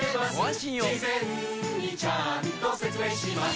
事前にちゃんと説明します